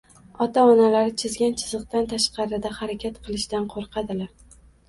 ota-onalari chizgan chiziqdan tashqarida harakat qilishdan qo‘rqadilar.